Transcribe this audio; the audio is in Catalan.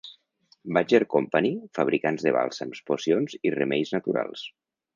Badger Company, fabricants de bàlsams, pocions i remeis naturals.